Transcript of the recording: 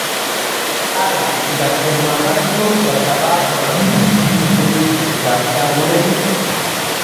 ایا د خیر محمد لور به سبا په ښوونځي کې نوې کتابچه ولري؟